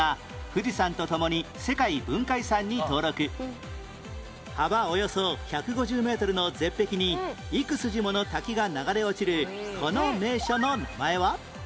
１０年前幅およそ１５０メートルの絶壁に幾筋もの滝が流れ落ちるこの名所の名前は？